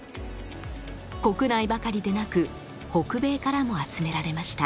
国内ばかりでなく北米からも集められました。